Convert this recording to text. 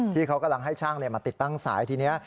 ที่เขากำลังให้ช่างมาติดตั้งสายทีนี้